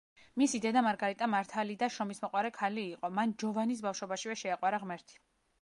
მისი დედა მარგარიტა მართალი და შრომისმოყვარე ქალი იყო, მან ჯოვანის ბავშვობაშივე შეაყვარა ღმერთი.